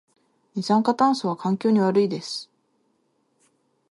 二酸化炭素は環境に悪いです